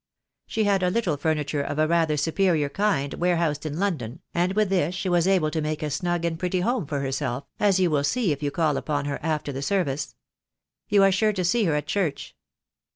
She had a little furniture of a rather superior kind warehoused in London, and with this she was able to make a snug and pretty home for herself, as you will see if you call upon her after the service. You are sure to see her at church."